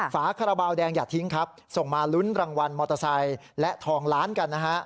ฝาคาราบาลแดงอย่าทิ้งครับส่งมาลุ้นรางวัลมอเตอร์ไซค์และทองล้านกันนะฮะ